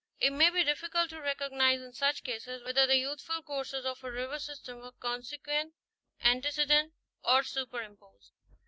It may be difficult to recognize in such cases whether the youthful courses of a river system were consequent, antecedent or superimposed.